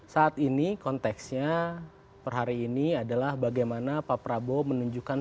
saat ini konteksnya per hari ini adalah bagaimana pak prabowo menunjukkan